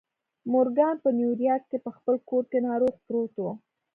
مورګان په نیویارک کې په خپل کور کې ناروغ پروت و